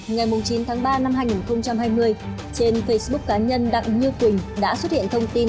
ngày chín tháng ba năm hai nghìn hai mươi trên facebook cá nhân đặng như quỳnh đã xuất hiện thông tin